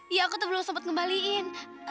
iya aku tuh belum sempat ngembaliin